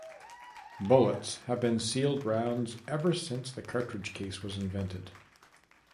Bullets have been sealed rounds ever since the cartridge case was invented.